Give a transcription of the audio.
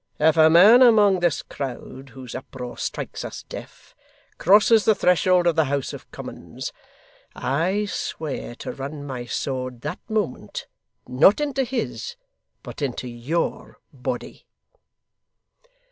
If a man among this crowd, whose uproar strikes us deaf, crosses the threshold of the House of Commons, I swear to run my sword that moment not into his, but into your body!